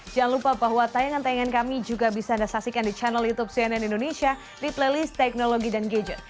jangan lupa bahwa tayangan tayangan kami juga bisa anda saksikan di channel youtube cnn indonesia di playlist teknologi dan gadget